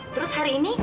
terus hari ini